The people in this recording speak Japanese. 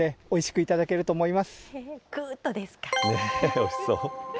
おいしそう。